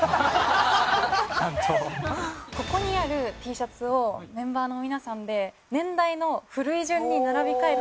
ここにあるＴシャツをメンバーの皆さんで年代の古い順に並び替えて頂きたいな。